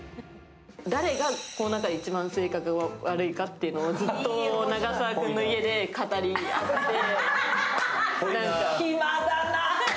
誰がこの中で一番性格が悪いかというのをずっと永沢君の家で語り合って。